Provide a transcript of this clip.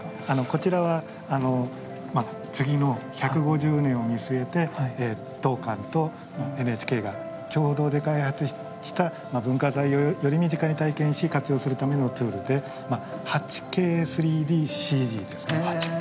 こちらは次の１５０年を見据えて当館とＮＨＫが共同で開発した文化財をより身近に体験し活用するためのツールで８Ｋ３ＤＣＧですね。